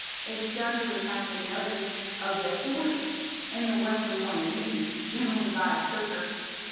It's done to attract the notice of the authorities an' the Western Momin' News — generally by a stoker.